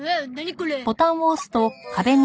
これ。